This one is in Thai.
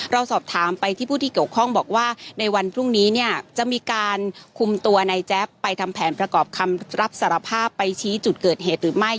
เราสอบถามไปที่ผู้ที่เกี่ยวข้องบอกว่าในวันพรุ่งนี้เนี่ยจะมีการคุมตัวในแจ๊บไปทำแผนประกอบคำรับสารภาพไปชี้จุดเกิดเหตุหรือไม่